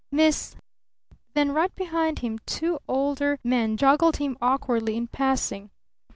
"Miss " Then right behind him two older men joggled him awkwardly in passing.